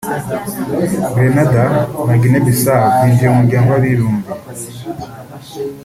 Grenada na Guinea-Bissau byinjiye mu muryango w’abibumbye